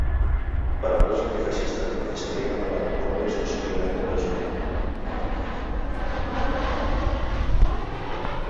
Per ambdós antifeixistes, la fiscalia demanava nou mesos i un any de presó.